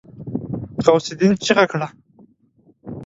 غوث االدين چيغه کړه.